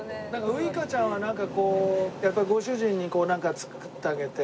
ウイカちゃんはなんかこうやっぱりご主人にこうなんか作ってあげて？